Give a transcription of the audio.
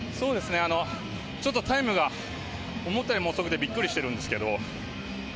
ちょっとタイムが思ったよりも遅くてビックリしてるんですけども。